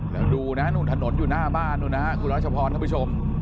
แล้วดูนะทะโหนตอยู่หน้าบ้านนู้นนะคุณรัชพรนะคุณผู้ชม